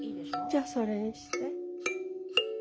じゃそれにして。